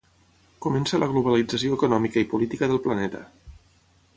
Comença la Globalització econòmica i política del planeta.